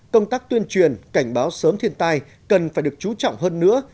công tác tuyên truyền cảnh báo sớm thiên tai cần phải được chú trọng hơn nữa